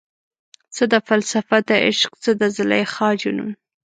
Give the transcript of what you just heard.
څه ده فلسفه دعشق، څه د زلیخا جنون؟